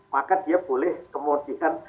maka dia boleh kemudian